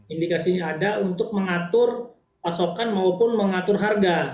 indikasinya ada untuk mengatur pasokan maupun mengatur harga